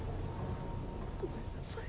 ごめんなさい。